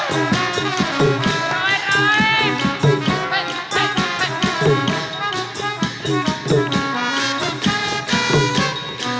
หัวโตหัวโตหัวโตไม่ได้กินข้าวหัวโตไม่ได้กินข้าว